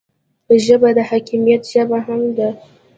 ژبه د حکمت ژبه هم ده